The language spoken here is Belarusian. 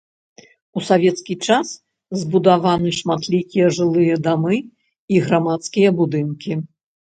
У савецкі час збудаваны шматлікія жылыя дамы і грамадскія будынкі.